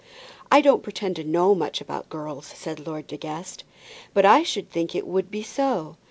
"I don't pretend to know much about girls," said Lord De Guest; "but I should think it would be so.